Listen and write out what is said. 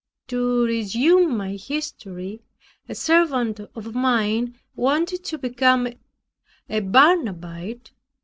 To resume my history, a servant of mine wanted to become a Barnabite.